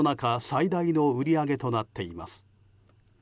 最大の売り上げとなっています。